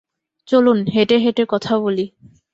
চলুন হেঁটে হেঁটে কথা বলি।